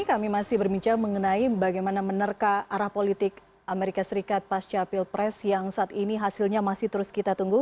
kami masih berbincang mengenai bagaimana menerka arah politik amerika serikat pasca pilpres yang saat ini hasilnya masih terus kita tunggu